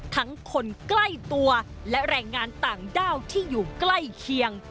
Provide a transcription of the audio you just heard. คนใกล้ตัวและแรงงานต่างด้าวที่อยู่ใกล้เคียง